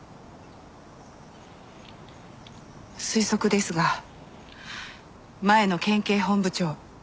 推測ですが前の県警本部長。